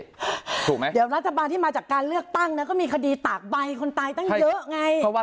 ถูกไหมเดี๋ยวรัฐบาลที่มาจากการเลือกตั้งนะก็มีคดีตากใบคนตายตั้งเยอะไง